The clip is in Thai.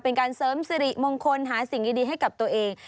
เป็นการเสริมสิริมงคลหาสิ่งดีให้กับตัวเอง